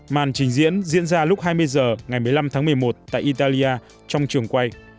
màn trình diễn diễn ra lúc hai mươi h ngày một mươi năm tháng một mươi một tại italia trong trường quay